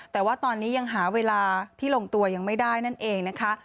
แต่ว่าตอนนี้ยังหาเวลาที่ลงตัวยังไม่ได้นั่นเองนะคะ